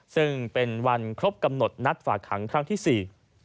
ซึ่งเป็นวันครบกำหนดนัดฝากขังครั้งที่สี่